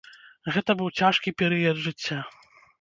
Гэты быў цяжкі перыяд жыцця.